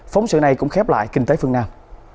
phóng sự này cũng khép lại kinh tế phương nam